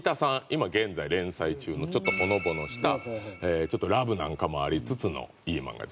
今現在連載中のちょっとほのぼのしたちょっとラブなんかもありつつのいい漫画です。